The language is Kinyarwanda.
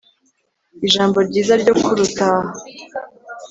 Ijambo ryiza ryo kurutaha